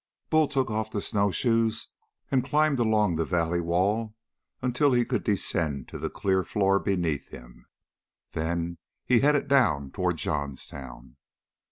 Bull took off the snowshoes and climbed along the valley wall until he could descend to the clear floor beneath him. Then he headed down toward Johnstown.